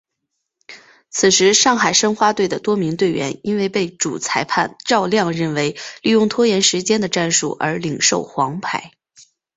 此时上海申花队的多名队员因为被主裁判赵亮认为利用拖延时间的战术而领受黄牌。